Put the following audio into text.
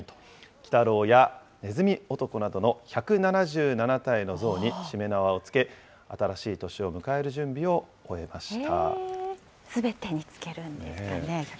鬼太郎やねずみ男などの１７７体の像にしめ縄をつけ、新しい年を迎える準備を終えました。